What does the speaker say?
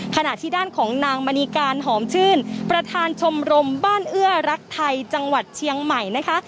ขณะที่ด้านของนางมณีการหอมชื่นประธานชมรมบ้านเอื้อรักไทยจังหวัดเชียงใหม่นะคะ